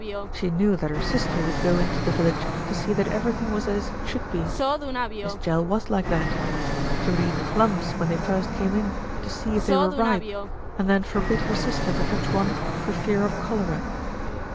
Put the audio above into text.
She knew that her sister would go into the village to see that everything was as it should be. Miss Jell was like that. She would eat plums when they first came in "to see if they were ripe," and then forbid her sister to touch one for fear of cholera.